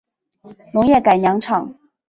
农业改良场